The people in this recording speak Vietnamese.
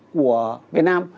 của việt nam